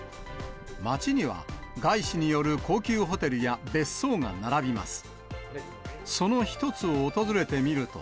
町には、外資による高級ホテルや別荘が並びます。